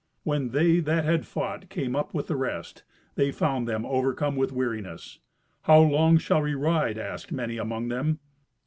When they that had fought came up with the rest, they found them overcome with weariness. "How long shall we ride?" asked many among them.